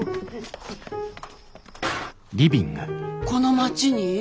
この町に？